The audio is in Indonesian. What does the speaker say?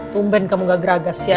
tumben kamu gak geragas ya